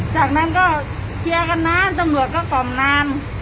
จากนั้นก็เคลียร์กันนานตำรวจก็กล่อมนาน